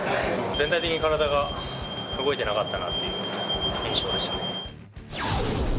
全体的に体が動いてなかったなっていう印象でしたね。